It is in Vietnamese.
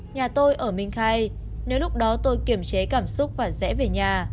nhà tôi ở minh khai nếu lúc đó tôi kiểm chế cảm xúc và rẽ về nhà